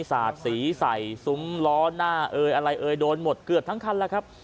สาดสีใส่ซุ้มล้อหน้าเอ่ยอะไรเอ่ยโดนหมดเกือบทั้งคันแล้วครับ